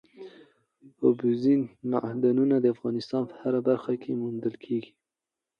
اوبزین معدنونه د افغانستان په هره برخه کې موندل کېږي.